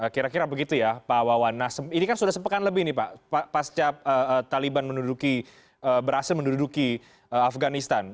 kira kira begitu ya pak wawan ini kan sudah sepekan lebih nih pak pasca taliban berhasil menduduki afganistan